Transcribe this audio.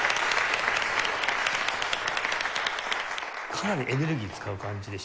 かなりエネルギー使う感じでしたけどね。